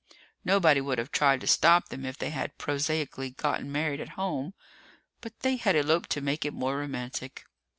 Nobody would have tried to stop them if they had prosaically gotten married at home, but they had eloped to make it more romantic.